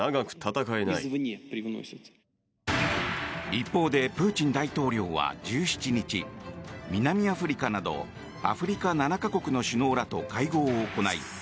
一方でプーチン大統領は１７日南アフリカなどアフリカ７か国の首脳らと会合を行い